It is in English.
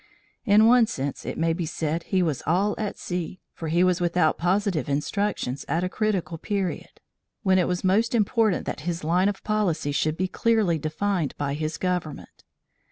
In one sense it may be said he was all at sea, for he was without positive instructions, at a critical period, when it was most important that his line of policy should be clearly defined by his government.